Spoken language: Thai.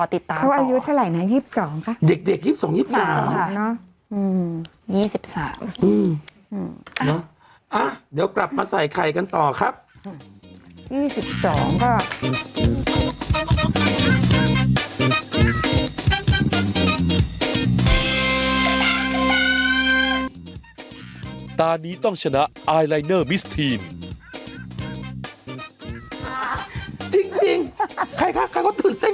ติดตามเขาอายุเท่าไรน่ะยิบสองป่ะเด็กยิบสองอย่าง